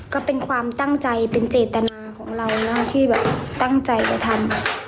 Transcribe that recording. ก็เป็นความตั้งใจเป็นเจตนาของเรานะที่แบบตั้งใจจะทำ